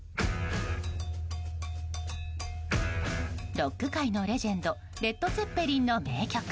ロック界のレジェンドレッド・ツェペリンの名曲。